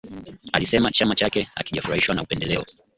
Alisema chama chake hakijafurahishwa na upendeleo